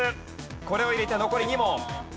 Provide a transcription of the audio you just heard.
これを入れて残り２問。